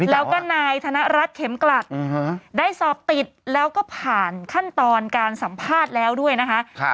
แล้วก็นายธนรัฐเข็มกลัดได้สอบติดแล้วก็ผ่านขั้นตอนการสัมภาษณ์แล้วด้วยนะคะ